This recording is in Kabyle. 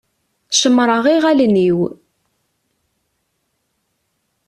Cemmṛeɣ iɣallen-iw.